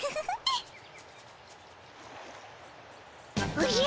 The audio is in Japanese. おじゃ。